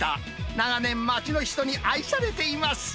長年、町の人に愛されています。